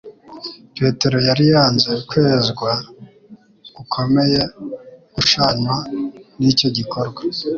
Petero yari yanze kwezwa gukomeye gushushanywa n'icyo gikorwa.